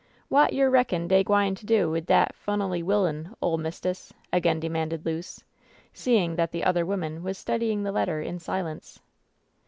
"Wot yer reckon dey gwine to do wid dat *funally willyun, ole mist'ess?" again demanded Luce, seeing that the other woman was studying the letter in silence.